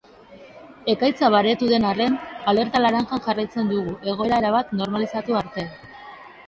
Ekaitza baretu den arren, alerta laranjan jarraitzen dugu egoera erabat normalizatu arte.